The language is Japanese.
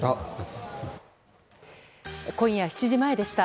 今夜７時前でした。